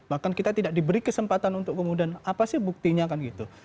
bahkan kita tidak diberi kesempatan untuk kemudian apa sih buktinya kan gitu